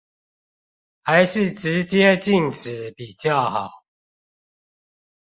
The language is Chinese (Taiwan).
還是直接禁止比較好